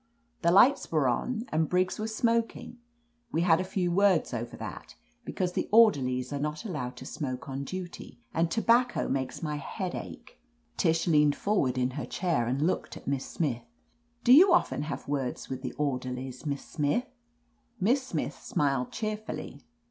"The lights were on, and Briggs was smok ing. We had a few words over that, because the orderlies are not allowed to smoke on duty, and tobacco makes my head ache." Tish leaned forward in her chair and looked at Miss Smith. "Do you often have words with the order lies, Miss Smith?" Miss Smith smiled cheerfully.